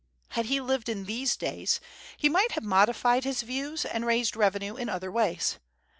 Had he lived in these days, he might have modified his views, and raised revenue in other ways.